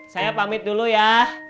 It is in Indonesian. saya pamit dulu ya